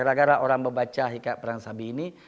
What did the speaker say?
gara gara orang berbaca hikayat perang sabi ini